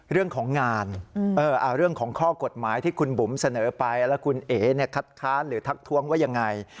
๑เรื่องของงานเข้าไปแล้วคุณเอกคัตคานหรือทักทวงว่าอย่างไร